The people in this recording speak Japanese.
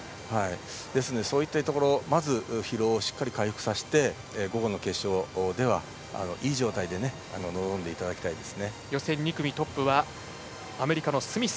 ですので、そういったところまず、疲労をしっかり回復させて午後の決勝ではいい状態で予選２組トップはアメリカのスミス。